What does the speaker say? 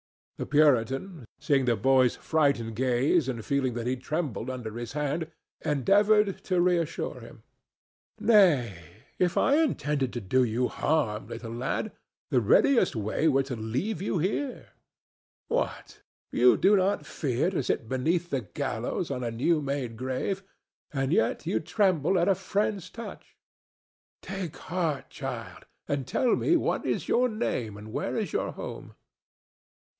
The Puritan, seeing the boy's frightened gaze and feeling that he trembled under his hand, endeavored to reassure him: "Nay, if I intended to do you harm, little lad, the readiest way were to leave you here. What! you do not fear to sit beneath the gallows on a new made grave, and yet you tremble at a friend's touch? Take heart, child, and tell me what is your name and where is your home."